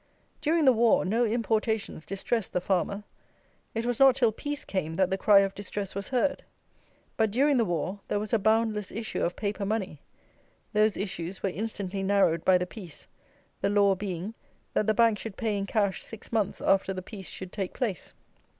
During the war no importations distressed the farmer. It was not till peace came that the cry of distress was heard. But, during the war, there was a boundless issue of paper money. Those issues were instantly narrowed by the peace, the law being, that the Bank should pay in cash six months after the peace should take place.